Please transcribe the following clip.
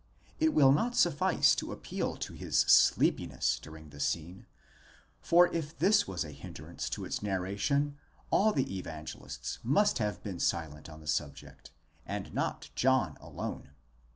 It will not suffice to appeal to his sleepiness during the scene; for, if this was a hindrance to its narration, all the Evangelists must have been silent on the subject, and not John alone.